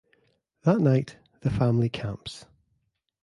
That night, the family camps.